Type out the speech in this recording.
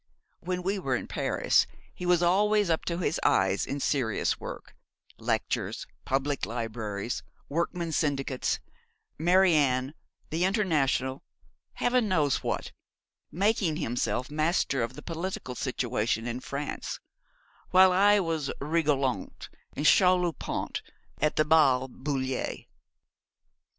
When we were in Paris he was always up to his eyes in serious work lectures, public libraries, workmen's syndicates, Mary Anne, the International heaven knows what, making himself master of the political situation in France; while I was rigolant and chaloupant at the Bal Bullier.'